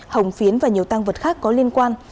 hồng phiến và nhiều tăng vật khác có liên quan